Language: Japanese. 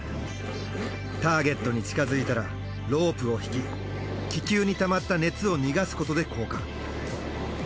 ターゲットに近づいたらロープを引き気球にたまった熱を逃がすことで降下。